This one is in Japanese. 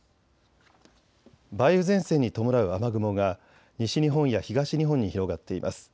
梅雨前線に伴う雨雲が西日本や東日本に広がっています。